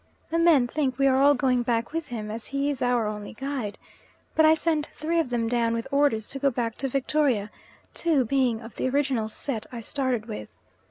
The men think we are all going back with him as he is our only guide, but I send three of them down with orders to go back to Victoria two being of the original set I started with.